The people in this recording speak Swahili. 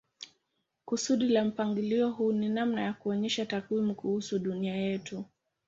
Kusudi la mpangilio huu ni namna ya kuonyesha takwimu kuhusu dunia yetu.